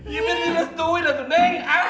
ini tidak sesuai lah tuh neng